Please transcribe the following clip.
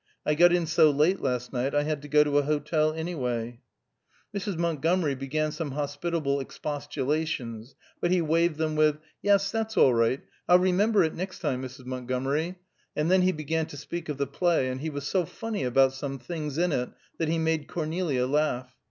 I got in so late last night I had to go to a hotel anyway." Mrs. Montgomery began some hospitable expostulations, but be waived them with, "Yes; that's all right. I'll remember it next time, Mrs. Montgomery," and then he began to speak of the play, and he was so funny about some things in it that he made Cornelia laugh.